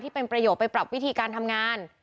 เป็นประโยชนไปปรับวิธีการทำงาน